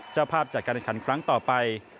เจ้าภาพจัดการิการคลั้งต่อไป